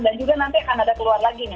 dan juga nanti akan ada keluar lagi nih